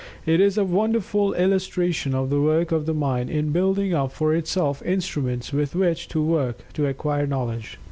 It is a wonderful illustration of the work of the mind in building up for itself instruments with which to work to acquire knowledge.